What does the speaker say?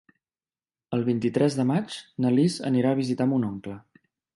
El vint-i-tres de maig na Lis anirà a visitar mon oncle.